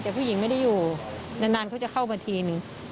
แต่ผู้หญิงไม่ได้อยู่นานเขาจะเข้ามาทีนึง